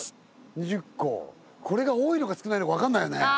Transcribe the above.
２０個これが多いのか少ないのか分かんないよね。